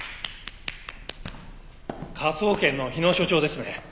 科捜研の日野所長ですね？